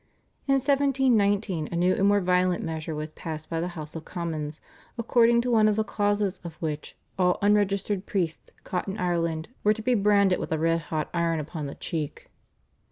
In 1719 a new and more violent measure was passed by the House of Commons, according to one of the clauses of which all unregistered priests caught in Ireland were to be branded with a red hot iron upon the cheek.